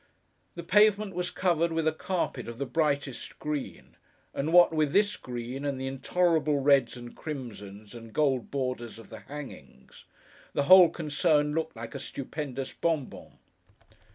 The pavement was covered with a carpet of the brightest green; and what with this green, and the intolerable reds and crimsons, and gold borders of the hangings, the whole concern looked like a stupendous Bonbon.